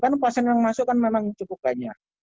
karena pasien yang masuk kan memang cukup banyak